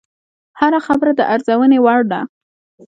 هره خبره د ارزونې وړ ده